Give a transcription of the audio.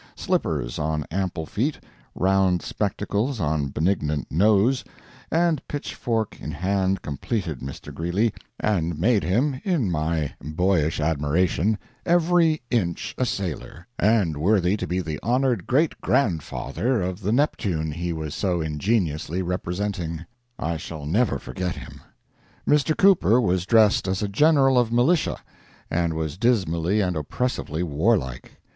Slippers on ample feet, round spectacles on benignant nose, and pitchfork in hand completed Mr. Greeley, and made him, in my boyish admiration, every inch a sailor, and worthy to be the honored great grandfather of the Neptune he was so ingeniously representing. I shall never forget him. Mr. Cooper was dressed as a general of militia, and was dismally and oppressively warlike.